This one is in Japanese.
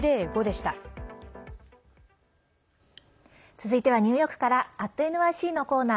続いてはニューヨークから「＠ｎｙｃ」のコーナー。